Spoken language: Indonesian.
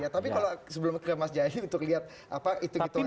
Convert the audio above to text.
tapi kalau sebelumnya mas jair untuk lihat apa itu gitu elektorannya